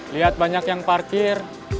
liat banyak yang parkir